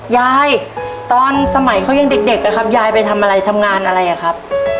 ยายตอนสมัยเขายังเด็กอะครับยายไปทำอะไรทำงานอะไรอะครับ